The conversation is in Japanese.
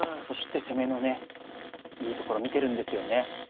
そして攻めのねいいところ見てるんですよね。